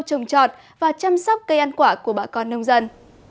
trồng trọt và chăm sóc cây ăn quả của bà con nông dân